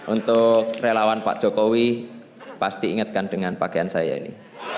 untuk relawan pak jokowi pasti ingatkan dengan pakaian saya ini